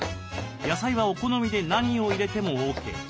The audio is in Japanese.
野菜はお好みで何を入れてもＯＫ。